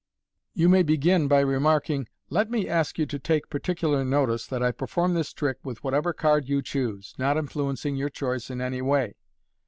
You may begin by remarking, " Let 124 MODERN MAGIC. me ask you to take particular notice that I perform this trick with whatever card you choose, not influencing your choice in any way.